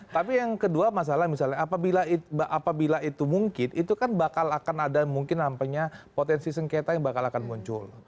tapi yang kedua masalah misalnya apabila itu mungkin itu kan bakal akan ada mungkin potensi sengketa yang bakal akan muncul